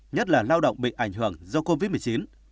nhất là lao động bị ảnh hưởng do covid một mươi chín